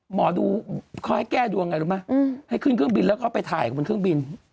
หมอดูเขาให้แก้ดวงไงรู้ไหมให้ขึ้นเครื่องบินแล้วเขาไปถ่ายบนเครื่องบิน